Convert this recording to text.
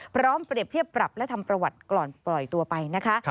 เปรียบเทียบปรับและทำประวัติก่อนปล่อยตัวไปนะคะ